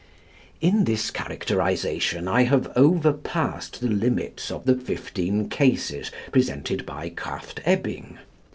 In this characterisation I have overpassed the limits of the fifteen cases presented by Krafft Ebing.